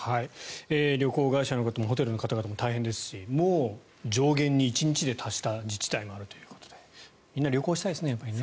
旅行会社の方もホテルの方々も大変ですしもう上限に１日で達した自治体もあるということでみんな旅行したいですね。